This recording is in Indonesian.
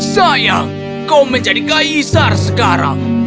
sayang kau menjadi kaisar sekarang